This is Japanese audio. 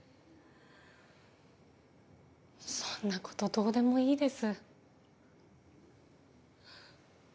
そんなことどうでもいいです